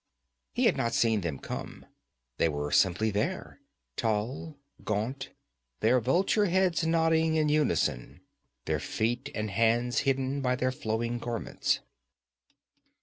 He had not seen them come. They were simply there, tall, gaunt, their vulture heads nodding in unison, their feet and hands hidden by their flowing garments.